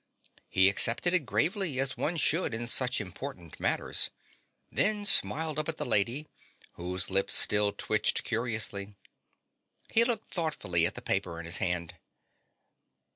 He accepted it gravely, as one should in such important matters, then smiled up at the Lady whose lip still twitched curiously. He looked thoughtfully at the paper in his hand.